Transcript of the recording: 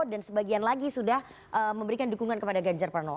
dan sebagian lagi sudah memberikan dukungan kepada ganjar pranowo